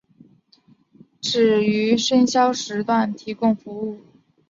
只于深宵时段提供服务。